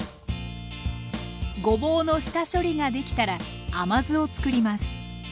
ごぼうの下処理ができたら甘酢をつくります。